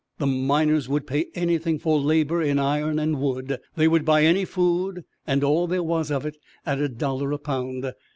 The miners would pay anything for labor in iron and wood. They would buy any food and all there was of it at a dollar a pound.